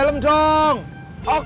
lo mengahilin gue